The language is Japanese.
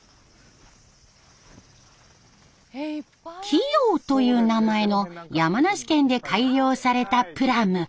貴陽という名前の山梨県で改良されたプラム。